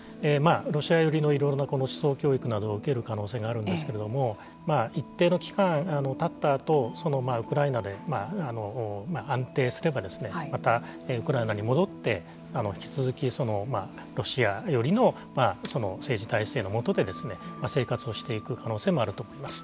ロシア寄りのいろいろな思想教育などを受ける可能性があるんですけれども一定の期間たったあとウクライナで安定すればまたウクライナに戻って引き続き、ロシア寄りの政治体制のもとで生活をしていく可能性もあると思います。